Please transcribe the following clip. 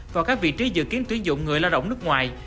vào các vị trí dự kiến tuyến dụng người lao động nước ngoài